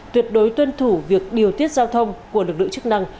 tuyệt đối tuân thủ việc điều tiết giao thông của lực lượng chức năng